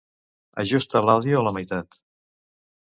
Ajusta l'àudio a la meitat.